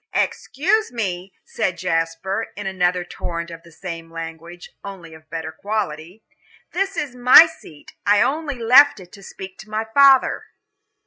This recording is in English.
"Excuse me," said Jasper, in another torrent of the same language, only of a better quality, "this is my seat I only left it to speak to my father."